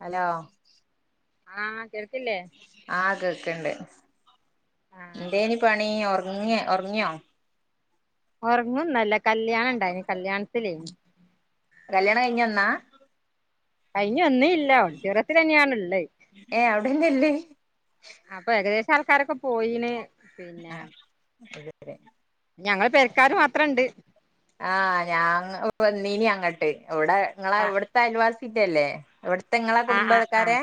Hello. ആഹ് കേൾക്കില്ലേ. ആഹ് കേക്ക്ണ്ട് ആഹ് എന്തേനി പണി ഉറങ്ങെ ഉറങ്ങിയോ. ഉറങ്ങുന്നല്ല കല്യാണണ്ടായിന് കല്യാൺത്തിലേനി. കല്യാണം കയിഞ് വന്നാ. കയിഞ് വന്നീല്ല ഓടിറ്റോറിയത്തിലെന്നാണ് ഉള്ളേ. ഏ അവിടെന്നല്ലേ അപ്പൊ ഏകദേശം ആൾക്കാരൊക്കെ പോയിന് പിന്നെ. ആ [inaudible] ഞങ്ങള് പെരക്കാര് മാത്രണ്ട് ആഹ് ഞാ അങ്ങ് വന്നീനി അങ്ങ ട്ട് അവിടെ നിങ്ങളെ ആഹ് ഇവിടത്തെ അയൽവാസില്ലല്ലേ ഇവിടത്തെ നിങ്ങളെ ആഹ് ആഹ് കുടുംബക്കാരെ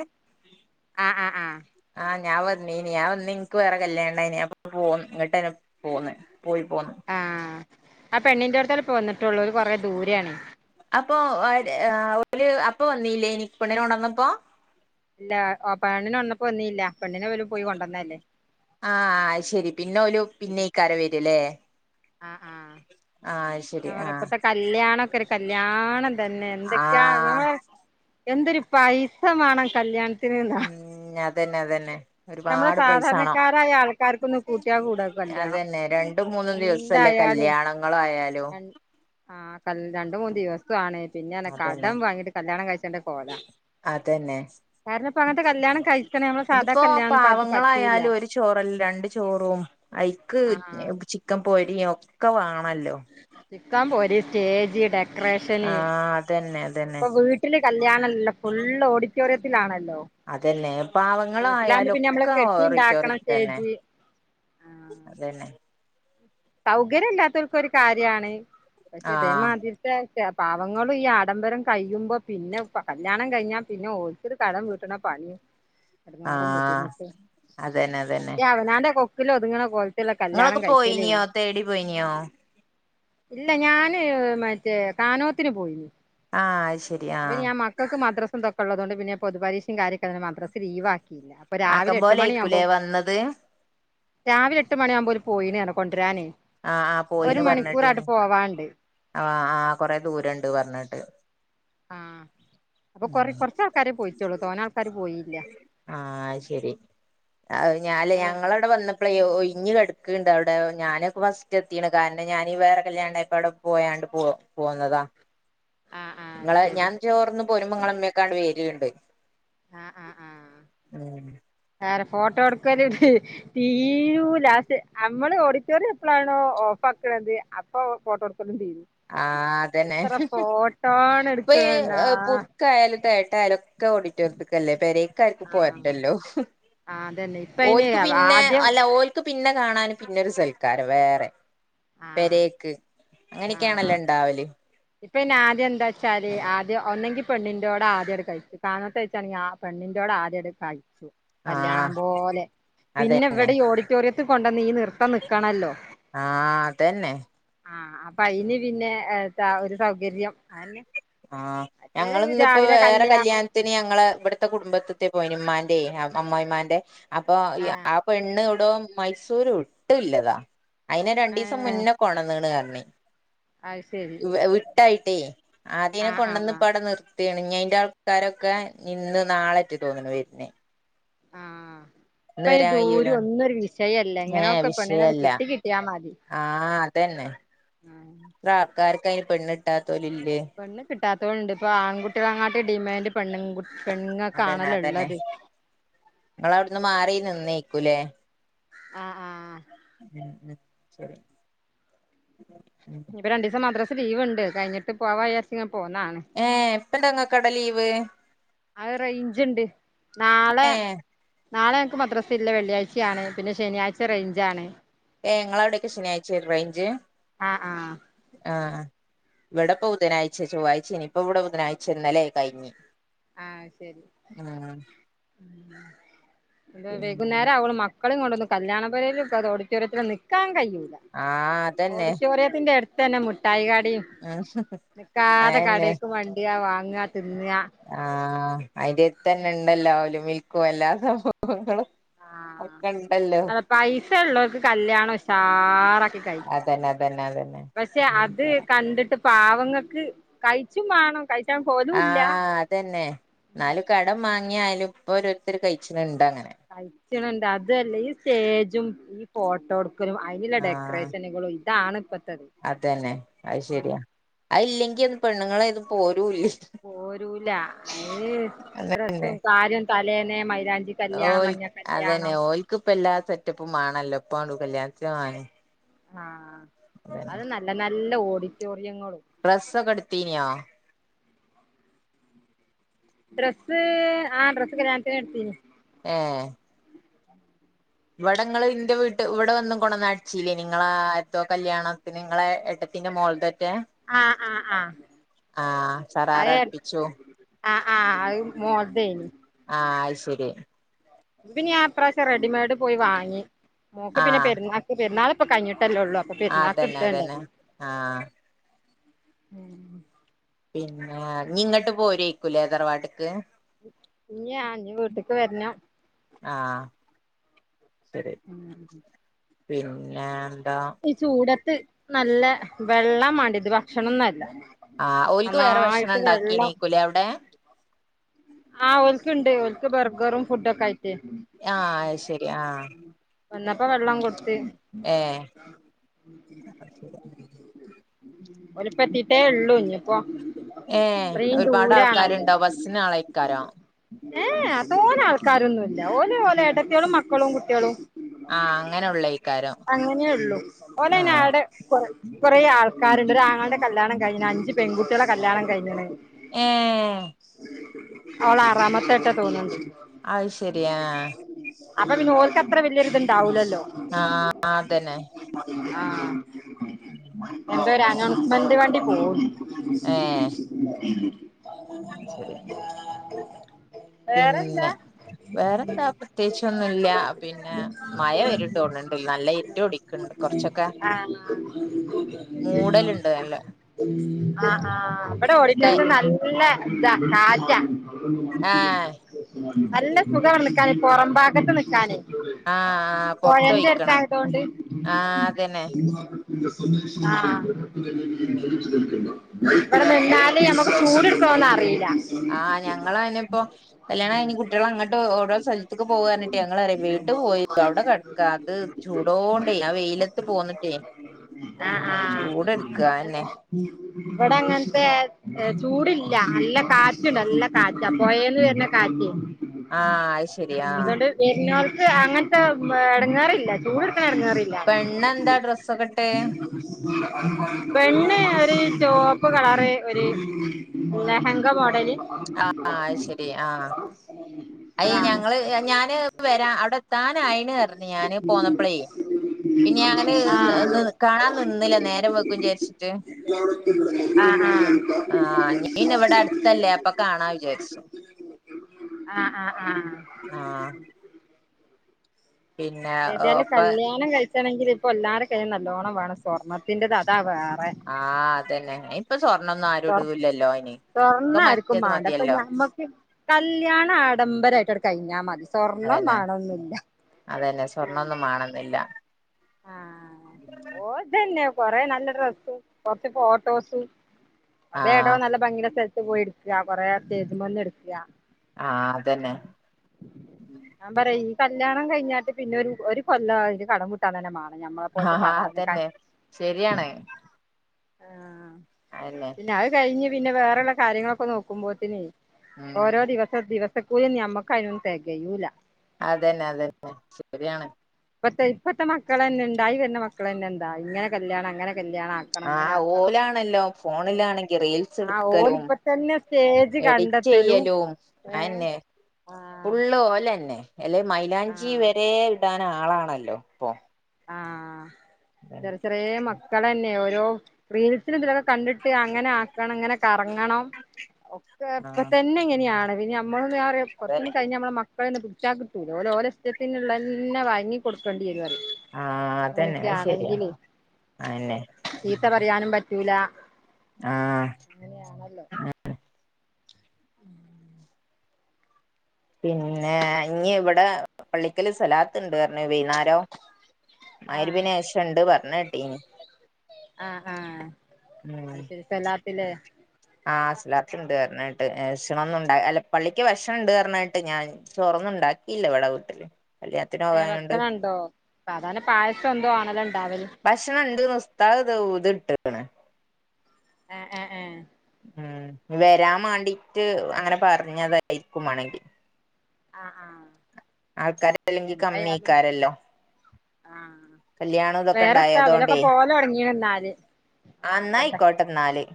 ആഹ് ആഹ് ആഹ് ആഹ് ഞാൻ വന്നീനി ഞാൻ വന്ന് ഇൻക്കു വേറെ കല്യാണേനി അപ്പ പോൻ ഇങ്ങട്ടന്നെ പോന്ന് പോയി പോന്നു ആഹ് ആ പെണ്ണീൻ്റടുത്തോല് ഇപ്പൊ വന്നിട്ടുള്ളൂ ഓല് കുറേ ദൂരെയണേ അപ്പൊ ഓര് ഏഹ് ഓല് അപ്പൊ വന്നീല്ലേനി പെണ്ണിനോണ്ടന്നപ്പോ ഇല്ല പെണ്ണിന് വന്നപ്പോ വന്നീല്ല പെണ്ണിനെ ഇവല് പോയി കൊണ്ടന്ന അല്ലേ ആഹ് അയ്ശരി. പിന്നഓലു പിന്നെ പിന്നെയിക്കാര് വര്യല്ലേ ആഹ് ആഹ് ആഹ് അയ്ശ ഞാൻപറയ ഇപ്പത്തെ കല്യാണക്കെ ഒരു കല്യാണം തന്നെ എന്തൊക്കെയാ ആ ഞമ്മള് എന്തൊരു പൈസ മാണം കല്യാണ് ഉം അതന്നെ അതന്നെ നമ്മള് ഒരുപാട് പൈസാണം സാധാരണക്കാരായ ആൾക്കാർക്കൊന്ന് കൂട്ടിയാ കൂടാ കല്യാണം അതന്നെ രണ്ടും മൂന്നും ദിവസല്ലേ കല്യാണങ്ങളായാലും ആഹ് കൽ രണ്ട് മൂന്ന് ദിവസൊ ആണ് പിന്ന്യാന്നെ അതന്നെ കടം വാങ്ങിട്ട് കല്യാണം കഴിച്ചെണ്ട കോല അതന്നെ കാരണം ഇപ്പ അങ്ങൻത്തെ കല്യാണം കഴിക്കണെ ഇതിപ്പോ പാവങ്ങളായാലും ഒരു ചോറല്ല രണ്ട് ചോറും ഐക്ക് ആ ചി ക്കൻ പൊരിയൊക്കെ വേണല്ലോ [unintelligible] പോര് സ്റ്റേ ആഹ് അതന്നെ അതന്നെ ഇപ്പൊ വീട്ടില് കല്യാണല്ലല്ലോ ഫുള്ള് ഓഡിറ്റോറിയത്തിലാണല്ലോ അതന്നെ വീട്ടിലാകുമ്പോ പിന്നെ നമ്മള് പാവങ്ങളായാലൊക്കാ കെട്ടി ഉണ്ടാക്കണം ഓറിറ്റോറിയത്തി തന്നെ സ്റ്റേജ് അതന്നെ സൗകര്യ ഇല്ലാത്തോൽക്ക് ഒരു കാര്യാണ് പക്ഷെ ആഹ് ഇതേമാതിരി [unintelligible] പാവങ്ങളും ഈ ആഡംബരം കഴിയുമ്പോ പിന്നെ പ കല്യാണം കഴിഞ്ഞാപിന്നെ ഓരു ഇത് കടം വീട്ടണ പണി എടങ്ങാറും ആഹ് ബുദ്ധിമുട്ടും അതന്നെ അതന്നെ മറ്റേ അവനാന്റെ കൊക്കില് ഒതുങ്ങണ പോൽത്തുള്ള കല്യാണം ഇങ്ങളൊക്കെ കഴിച്ചലേനി പോയിനിയോ തേടി പോയിനിയോ ഇല്ല ഞാന് മറ്റേ കാനോത്തിന് പോയി ആഹ് അയ്ശരി ആഹ് മക്കക്ക് മദ്രസതൊക്കള്ളത് കൊണ്ട് പിന്നെ പൊതു പരീക്ഷേ കാര്യക്കെ ആയതോണ്ട് മദ്രസ ലീവാക്കീല്ല. ഇപ്പൊ ആക്കം രാവിലെ എട്ട് മണിയാവുമ്പോ പോലെയിക്കൂലേ വന്നത് രാവിലെ എട്ട് മണിയാവുമ്പോ ഒരു പോയിന് അറിഞ്ഞു കൊണ്ടരാനേ ആഹ് ആഹ് പോയിന്ന് പറഞ്ഞേട്ടീന് പോവാണ്ട് ആഹ് ആഹ് കൊറെ ദൂരണ്ട് പറഞ്ഞേട്ട് ആഹ് അപ്പൊ കൊറെ കൊറച്ചാൾക്കാരേ പോയിട്ടുളളൂ ആഹ് അയ്ശരി അത് ഞാല് ഞങ്ങള വിടെ വന്നപ്പളെ ഒഴിഞ്ഞ് കെടക്ക്ണ്ട് അവിടെ ഞാനൊക്കെ ഫസ്റ്റ് എത്തീണ് കാരണം ഞാനീ വേറെ കല്യാണണ്ടായപ്പൊ അവിടെ പോയാണ്ട് പോ പോന്നതാ ആഹ് ആഹ് നിങ്ങളെ അത് ശരി ഞാൻ ചോർന്ന് പോരുമ്പോ ഇങ്ങളമ്മയൊക്കണ്ട് വെര്ണ്ട് ആഹ് ആഹ് ആഹ് ഉം വേറെ ഫോട്ടോ എടുക്കല് തീരൂല ലാസ്റ്റ് നമ്മള് ഓഡിറ്റോറിയം എപ്പളാണോ ഓഫ് ആക്കണത് അപ് ഇപ്പൊ ഫോട്ടോടുക്കലുതീരും ആഹ് അതന്നെ ഇപ്പൊ ഈ എടുക്കണെന്നാ പുതുക്കായാലും തേട്ടായാലും ക്ക്‌ ഓഡിറ്റോറിത്ത്ക്കല്ലെ പെരേക്ക്‌ ആർക്കും ആഹ് പോവണ്ടല്ലോ ആഹ് അതന്നെ ഇപ്പ അയിന് ഓൽക്ക് പിന്നെ ആദ്യം അല്ല ഓൽ ക്ക് പിന്നെ കാണന് പിന്നൊരു സൽക്കാരം വേറെ ആഹ് പെരേക്ക് ക്കാണല്ലോ ആഹ് ഉണ്ടാവല് ഇപ്പൊ ഇന്നെ ആദ്യം എന്താ വെച്ചാല് ആദ്യ ഒന്നെങ്കി പെണ്ണിന്റോടെ ആദ്യംടു കഴിക്കും പതിനെട്ടു വയസാണെങ്കിൽ ആ പെണ്ണിന്റോട് ആദ്യടു കഴിച്ചും ആഹ് കല്യാണം പോലെ പിന്നെ അതന്നെ ഇവിടെ ഓടി റ്റോറിയത്തിൽ കൊണ്ടുവന്ന് ഈ നിർത്തം നിൽക്കണല്ലോ ആഹ് അതന്നെ ആഹ് അപ്പൊ അയിന് പിന്നെ എ താ ഒരു സൗകര്യം അയിന് ആഹ് ഞങ്ങളിന്ന് ഇപ്പോ വേറെ കല്യാണം കല്യാൺ ത്തിന് ഞങ്ങള് ഇവിടത്തെ കുടുംബത്ത്ത്തെ പോയിനിമ്മാന്റെ അമ്മായിമാന്റെ അപ്പൊ ഈ ആഹ് ആ പെണ്ണ് ഇടോ മൈസൂര് ഇട്ടില്ലതാ അയിനെ രണ്ടു ദിവസം ഏഹ് മുന്നേ കോണന്നാണ് പറഞ്ഞ് അത് ശരി വിട്ടായിട്ടേ ആദ്യനെ ആഹ് കൊണ്ടുവന്ന് ആഹ് ഇപ്പ അവിടെ നിർത്തിയാണ് ഇഞ്ഞി അയിന്റെ ആൾക്കാരൊക്കെ ഇന്ന് നാളെറ്റി തോന്നുണ് വരുന്നേ ആഹ് ഇന്ന് ഇപ്പ ഈ വരാൻ കയ്യൂല ദൂരം ഒന്നുംരു വിഷയല്ലേ ഏഹ് ഇങ്ങനെക്കെ പെണ്ണിനവിടെ വിഷയല്ല കിട്ടി കിട്ടിയാൽ മതി ആഹ് അതന്നെ ആഹ് ഇപ്പ ആൾക്കാർക്ക് അതിന് പെണ്ണ് ഇട്ടാത്തോല് ല്ലെ പെണ്ണ് കിട്ടാത്തോല്ണ്ട് ഇപ്പോ ആൺകുട്ടികളങ്ങാട്ട് ഡിമാൻഡ് പെണ്ണ്കു അതന്നെ അതന്നെ നിങ്ങള് അവിടുന്ന് മാറി നിന്നേക്കൂലേ ആഹ് ആഹ് ഉം ഉം ശരി ഉംഉം ഇഞ്ഞിപ്പ രണ്ടിസം മദ്രസ് ലീവ്ണ്ട് കഴിഞ്ഞിട്ട് പോവായിചാരിച്ചിങ്ങ് പോന്നാണ്. ഏഹ് എപ്പടങ്ങക്കവിടെ ലീവ് അത് റെയിഞ്ചിണ്ട് നാളെ ഏ നാളെ ഞങ്ങക്ക് മദ്രസ ഇല്ല വെള്ളിയാഴ്ചേണ് പിന്നെ ശനിയാഴ്ച റേഞ്ചാണ് ഏഹ് ഇങ്ങള അവിടെയക്കെ ശനിയാഴ്ച റേഞ്ച് ആഹ് ആഹ് ആഹ് ഇവിടെ ഇപ്പ ബുധനാഴ്ച ചൊവ്വാഴ്ചെയ്ന് ഇപ്പോ ഇവിടെ ബുധനാഴ്ച ഇന്നലെ കഴിഞ്ഞു ആഹ് ശരി എന്ത് പിന്നെ വൈകുന്നേരം അവോള് മക്- മക്കളേം കൊണ്ടൊന്നും കല്യാണപുരേലും [unintelligible] ഓഡിറ്റോറിയത്തിലും നിൽക്കാൻ കഴൂല്ല ആ അതന്നെ ഓഡിറ്റോറിയത്തിന്റെ അടു ത്തന്നെ മുട്ടായി കടേം ഉം നിക്കാതെ അയന്നെ കടേക്ക് വണ്ടിയാ വാങ്ങ തിന്ന. ആഹ് അയിന്റെട്ത്തന്നെ ഉണ്ടല്ലോ അവിൽ മൽക്കും എല്ലാ സംഭവങ്ങളും ആഹ് ഒക്കെ ഇണ്ടല്ലോ അത് പൈസ ഉള്ളവർക്ക് കല്യാണം ഉഷാറാക്കി കഴി അതന്നെ അതന്നെ പക്ഷെ അത് അതന്നെ കണ്ടിട്ട് പാവങ്ങക്ക് കഴിച്ചും വേണം കഴിചാം പൊ- ആഹ് അതന്നെ ന്നാലും കടം വാങ്ങിയാലും ഇപ്പോ ഓരോരുത്തരു കഴിച്ചിനിണ്ട് അങ്ങനെ കഴിച്ചണണ്ട് അതന്നെ ഈ സ്റ്റേജും ഈ ഫോട്ടോട്- ക്കലും അതിനുള്ള ആഹ് ഡെക്കറേഷനുകളും ഇതാണ് ഇപ്പത്തത് അതന്നെ അത് ശരിയാ അയില്ലെങ്കി ഒന്ന് പെണ്ണുങ്ങള ഇത് പോരൂല്ലി പോരൂല അയ് അതന്നെ ഡ്രസ്സും കാര്യം തലേന്നെ മൈലാഞ്ചി കല്യാണം ഓൽ മഞ്ഞ അതന്നെ കല്യാണം ഓൽക്കിപ്പ എല്ലാ സെറ്റപ്പും വാണല്ലോ ഇപ്പണ്ട് കല്യാണത്തിന് പോവാന് ആഹ് അത് നല്ല നല്ല ഓഡിറ്റോറിയങ്ങളും ഡ്രസ്സൊക്കെടുത്തീനിയോ ഡ്രസ് ആഹ് ഡ്രസ് കല്യാണത്തിന് ഇടുത്തീന് ഏഹ് ഇവിടെ നിങ്ങള് ഇന്റെ വീട്ട് ഇവിടെ വന്ന് കൊടുന്നടിച്ചില്ലേ നിങ്ങള എതോ കല്യാണത്തിന് നിങ്ങളെ എട പിന്നെ മോൾതറ്റ ആഹ് ആഹ് ആഹ് ആഹ് സറാറ അത് അടുപ്പിച്ചു ആഹ് ആഹ് അത് മോളത ആഹ് അയ്ശരി അപ്പപിന്ന്യാപ്രാശ്യം റെഡിമെയ്ഡ് പോയി വാങ്ങി മോക്ക് പിന്നെ ആഹ് പെരുന്നാക്ക് പെരുന്നാളിപ്പ കഴിഞ്ഞിട്ടല്ലേള്ളൂ. അതന്നെ അതന്നെ പെരുന്നാകിടുത്തണ്ടായിരുന്നു ആഹ് പിന്നെ ഇങ്ങോട്ട് പോരേക്കൂലേ തറവാട്ടിക്ക് ഇല്ല ഇന്നി വീട്ടേക്ക് വരണം ആഹ് ശരി പിന്നെ എന്താ ഈ ചൂടത്ത് നല്ല വെള്ളമാണ്ടെരും ഇത് ഭക്ഷണന്നല്ല ആഹ് ഓൽക്ക് വേറെ ഭക്ഷണം ഉണ്ടാക്കീനയിക്കൂലെ അവിടെ ആഹ് ഓല്കുണ്ട് ഒല്ക് ബർഗറും ഫുഡോക്കെ ആയിത് ആഹ് ശരി ആഹ് വന്നപ്പ വെള്ളം കൊടുത്ത് ഏഹ് ഓലിപ്പത്തിട്ടേള്ളൂ ഞ്ഞിപ്പോ ഇത്രേം ദൂരണല്ലോ. ബസിനാളായിക്കാരോ ഏഹ് തോന ആൾക്കാരൊന്നുല്ല ഓല് ഓലെട്ടത്തികളും മക്കളും കുട്ട്യാളും. ആഹ് അങ്ങനെ ഉള്ളേക്കാരം അങ്ങനെയള്ളു ആഹ് ഓലയനവിടെ കൊ കുറേ ആൾക്കാരുണ്ട് ഒരാങ്ങളടെ കല്യാണം കഴിഞ്ഞു അഞ്ച് പെൺകുട്ടികളെ കല്യാണം കഴിഞ്ഞ് ഏഹ് അവള അറാമത്തായിട്ടാ തോന്നണ് അത് ശരി ആഹ് അപ്പൊ പിന്നെ ഓര്ക്ക് അത്ര വലിയൊരിത് ഇണ്ടാവില്ലല്ലോ. ആ അത്തന്നെ. എന്തൊ ഒരു അന്നൗൺസ്‌മെന്റ് വണ്ടി പോകുന്നു. അത് ശരിയാ പിന്നെ വേറെന്താ വേറെന്താ പ്രത്യേകിചൊന്നുല്ല. പിന്നെ മയ വരൂന്നു തോന്നണ്ട് നല്ല ഇരുട്ടു ഇടിയും ആ മൂടല്ണ്ട് നല്ല ആ ആ ഇവിടെ കൈ ഓഡിറ്റോറിയത്തിൽ നല്ല നല്ല ഇത. നല്ല കാറ്റ ആഹ് നല്ല ശരി സുഖവാണിവിടെ നിക്കാന്. പൊറമ്പാകത്ത് നിൽക്കാനെ. ആഹ് ആഹ് പൊറത്ത് പൊഴേന്റെടുത്ത് വെയ്ക്കണം ആയതൊണ്ട് ആഹ് അതന്നെ ആഹ് ഉം ഇവിടെ നിന്നാല് നമ്മക്ക് ചൂട് എടുക്കുവൊന്ന്‌ അറിയില്ല. ആ ഞങ്ങള് അയിനിപ്പോ കല്യാണം കഴിഞ്ഞ് കുട്ടികൾ അങ്ങട്ട് ഓരോ സ്ഥലത്തേക്ക് പോകാനിട്ട് ഞങ്ങളറിയ വീട്ട് പോയി അവിടെ കാത്ത് ചൂടോണ്ടെ ആ വെയിലത്ത് പോന്ന്ട്ടേ ചൂടെട്ക്കാ അതെന്നെ. ഉം, വടെ അങ്ങൻത്തെ ഏഹ്, ചൂടില്ല. നല്ല കാറ്റുണ്ട് നല്ല കാറ്റാ. പൊയേന്ന്‌ വെര്നെ കാറ്റെ ആഹ്, അത് ശെരി. ആഹ് വെര്നോൽക്ക് അങ്ങൻത്തെ വെ എടങ്ങേറില്ല. ചൂട് എട്ക്ക്ണ എടങ്ങേറി ല്ല. പെണ്ണെന്താ ഡ്രസ്സൊക്കെ ഇട്ടെ പെണ്ണ് ഒര് ചോപ്പ് കളറ് ഒര് ലഹങ്ക മോഡല് അയി അതാണ് ഞങ്ങള് ഞാന്പ്പ വെരാ അവിടെത്താനായിണ് പർഞ്ഞ് ഞാന് പോന്നപ്പളേ. പിന്നെ ഞങ്ങള് ന്ന് കാണാ നിന്നില്ല നേരം വെയ്കും വിചാരിച്ചിട്ട്. യ് എവിടെത്തി ആഹ്, ആഹ് ആഹ്, [unintelligible] ഇവടെ അടുത്തല്ലേ അപ്പൊ കാണാ വിചാരിച്ചു. ആഹ്, ആഹ്, ആഹ് ആഹ്. പിന്നെ ഏതായാലും ഇപ്പ കല്ല്യാണം കഴിച്ചണങ്കില് പ്പൊ എല്ലാരെ കയ്യിലും നല്ലോണ്ണം വേണം. സ്വർണ്ണത്തിന്റെത് അതാ വേറെ. ആഹ്, അതന്നേ. ഒന്നും ആരും ഇടൂലല്ലോ. സ്വർണ്ണാര്ക്കും മാണ്ട. പ്പം ഞമ്മക്ക് കല്ല്യാണം ആഡംബരായിട്ടട് കഴിഞ്ഞാ മതി. സ്വർണ്ണം മാണൊന്നില്ല. അതേന്നെ സ്വർണ്ണൊന്നും മാണോന്നില്ല. ഓഹ്, ഇതെന്നെ കൊറെ നല്ല ഡ്രസ്സ്‌ കൊറച്ച് ഫോട്ടോസ് അതേ എവിടോ ആഹ് നല്ല ഭംഗിള്ള സ്ഥലത്ത് പോയി എടുക്ക. കൊറെ സ്റ്റേജ്മേന്ന് എടുക്ക. ആഹ് അതെന്നെ. ഞാൻ പറയ് ഈ കല്ല്യാണം കഴിഞ്ഞാട്ട് പിന്നെ ഒരു ഒരു കൊല്ലം ആവും ഈൻ്റെ കടം വീ ട്ടാൻ തന്നെ മാണം ഞമ്മളെ പോൽത്തെ ആഹ് സാധാരണക്കാര് അതന്നെ ശരിയാണ് ആഹ് അതെന്നെ. പിന്നെ അത് കഴിഞ്ഞ് പിന്നെ വേറെള്ള കാര്യങ്ങളൊക്കെ നോക്കുമ്പോത്തിനെ ഉം ഓരോ ദിവസ് [unintelligible] ദിവസക്കൂലി ഒന്നും നമ്മക്കയ്നൊന്നും തെകയൂല. അതെന്നെ, അതെന്നെ. ശെരിയാണ്. ഇപ്പത്തെ ഇപ്പത്തെ മക്കളെന്നെ ഇണ്ടായി വെര്ണ മക്കളെന്നെ എന്താ ഇങ്ങനെ കല്ല്യാണം അങ്ങനെ കല്യാണം ആക്കണം ഇങ്ങനെ ആഹ്, ആക്കണം ഓലാണല്ലോ ഫോണിലാണെങ്കി ആഹ് റീൽസ്ട്ക്കലും ഓലിപ്പ തന്നെ സ്റ്റേജ് കണ്ടെത്തലും എഡിറ്റെയ്യലും ഏഹ് അതന്നെ ആഹ് ഫുള്ള് ഓലെന്നെ. അല്ലെ മൈലാഞ്ചി ആഹ് വരെ ഇടാനാളാണല്ലോ ഇപ്പൊ ആഹ്, അതന്നെ ചെറിയ ചെറിയ മക്കളല്ലെ ഓരോ റിലീസിന് ഇതിലൊക്കെ കണ്ടി ട്ട് അങ്ങനെ ആക്കണം ഇങ്ങനെ കറങ്ങണം ഒക്കെ ഇപ്പ ആഹ് തന്നെ ഇങ്ങനെയാണ് പിന്നെ ഞമ്മളൊന്ന് ആ [unintelligible] കൊർചൊന്നും അതന്നെ കയിഞ്ഞാ മ്മളെ മക്കളൊന്നും പിടിച്ചാകിട്ടൂല, ഓല് ഓലെ ഇഷ്ടത്തിനുള്ളന്ന വാങ്ങി കൊടുക്കണ്ടി വരുംഅറിയ ആഹ് അതന്നെ അത് ശരിയാ ങ്ങനെയൊക്കെയാണെങ്കിലെ അയെന്നെ ചീത്ത പറയാനും പറ്റൂല. ആഹ്, ഉം ഉം പിന്നെ ഞ്ഞിവടെ പള്ളിക്കല് സലാത്ത്ണ്ട് പർഞ്ഞ് വൈന്നാരം. ആഹ് മഗ്‌രിബിന് ശേഷണ്ട് പറഞ്ഞ് കേട്ടീനി ആഹ് ആഹ് ഉം അയ്ശെരി. സലാത്ത്ലേ ആഹ് സ് ലാത്ത്ണ്ട് അർഞ്ഞേട്ട്. ഏഷ്ണംന്നുണ്ടാ അല്ല പള്ളിക്ക് ഭക്ഷണംണ്ട് അർന്നേട്ട്. ഞാൻ ചോറൊന്നുംണ്ടാക്കിയില്ല ഇവടെ വീട്ടില്. കല്യാണത്തിന് ഏഹ് പോകാഞ്ഞോണ്ട് ഭക്ഷണണ്ടോ? സാധാർനെ പായസം എന്തോ ആണല്ലൊ ണ്ടാവല്. ഭക്ഷണംണ്ട്ന്ന ഉസ്താദ് ത് ഊത് ട്ടെ. ഏഹ് ഏഹ് ഏഹ് ഉം. അത് വെരാം ശരി മാണ്ടിട്ട് അങ്ങനെ പർഞ്ഞതായിരിക്കും മാണങ്കില്. ആഹ് ആഹ് ആൾക്കാര് അല്ലെങ്കി എന്തായാലും കമ്മിയിക്കാരല്ലൊ? ആഹ്. ഇതൊക്കെ വേറെത്താ. വെലൊക്കെ ഇണ്ടായതോണ്ടേ പോവാം തൊട്ങ്ങീണ്ന്നാല്. ആ നോക്കട്ടെ. ന്നായിക്കോട്ടെ ന്നാല്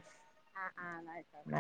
ആഹ് ആഹ് ന്നാ വെച്ചാള്.